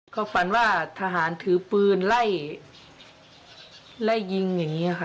เขาฝันว่าทหารถือปืนไล่ไล่ยิงอย่างนี้ค่ะ